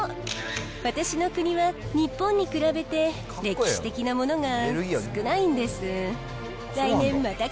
私の国は、日本に比べて歴史的なものが少ないんです。